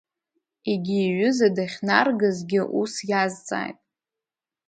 Егьи иҩыза дахьнаргазгьы ус иазҵааит.